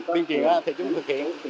tuyên truyền thì chúng tôi thực hiện